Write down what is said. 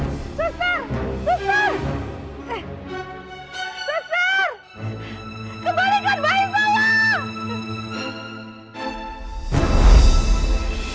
kembalikan bayi saya